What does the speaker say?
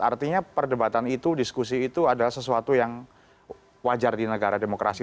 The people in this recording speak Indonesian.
artinya perdebatan itu diskusi itu adalah sesuatu yang wajar di negara demokrasi